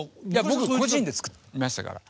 僕個人で作りましたから。